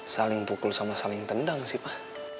saling pukul sama saling tendang sih pak